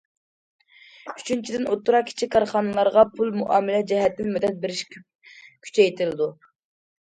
ئۈچىنچىدىن، ئوتتۇرا، كىچىك كارخانىلارغا پۇل مۇئامىلە جەھەتتىن مەدەت بېرىش كۈچەيتىلىدۇ.